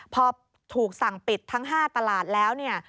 พอถูกสั่งปิดทั้ง๕ตลาดแล้วเนี่ย